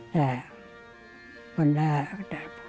แต่มันแหละ